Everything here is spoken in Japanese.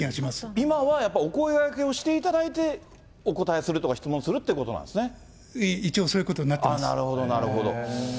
今はやっぱりお声がけをしていただいて、お答えするとか、質問するっていうこと一応、そういうことになってなるほどなるほど。